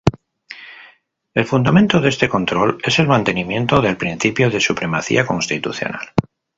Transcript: El fundamento de este control es el mantenimiento del Principio de Supremacía Constitucional.